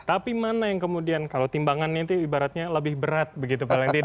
tapi mana yang kemudian kalau timbangan ini ibaratnya lebih berat begitu